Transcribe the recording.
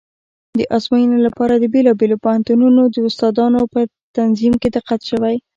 د ازموینې لپاره د بېلابېلو پوهنتونونو د استادانو په تنظیم کې دقت شوی و.